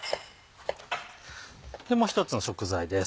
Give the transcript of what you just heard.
もう一つの食材です